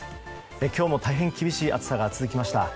今日も大変厳しい暑さが続きました。